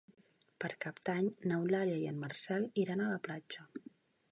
Per Cap d'Any n'Eulàlia i en Marcel iran a la platja.